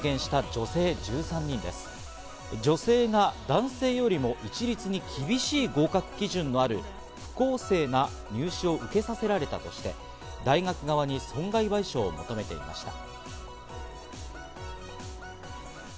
女性が男性よりも一律に厳しい合格基準のある不公正な入試を受けさせられたとして、大学側に損害賠償を求めていました。